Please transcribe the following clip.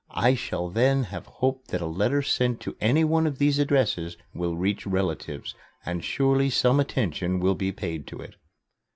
I shall then have hope that a letter sent to any one of these addresses will reach relatives and surely some attention will be paid to it."